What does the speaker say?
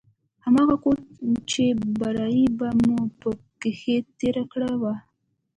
هماغه کور چې برايي به مو په کښې تېره کړې وه.